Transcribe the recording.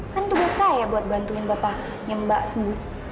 kan tugas saya buat bantuin bapaknya mbak sembuh